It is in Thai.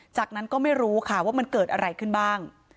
จากนั้นก็ไม่รู้ค่ะว่ามันเกิดอะไรขึ้นบ้าง